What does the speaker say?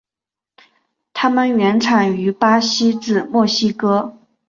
它们原产于巴西至墨西哥。